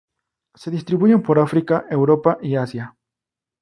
Se distribuyen por África, Europa y Asia.